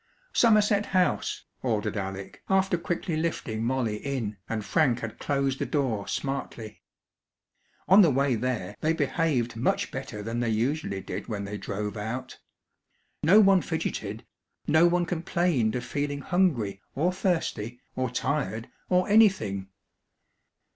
"Somerset House!" ordered Alec, after quickly lifting Molly in, and Frank had closed the door smartly. On the way there they behaved much better than they usually did when they drove out. No one fidgeted; no one complained of feeling hungry, or thirsty, or tired, or anything.